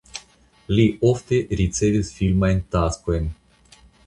Li ofte ricevis filmajn taskojn.